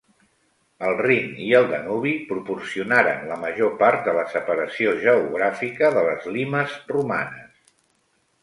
El Rin i el Danubi proporcionaren la major part de la separació geogràfica de les "limes" romanes.